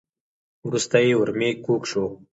وروسته یې ورمېږ کوږ شو .